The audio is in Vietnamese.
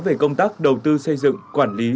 về công tác đầu tư xây dựng quản lý